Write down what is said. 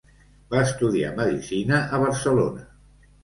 Va estudiar Medicina a Barcelona.